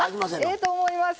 ええと思います。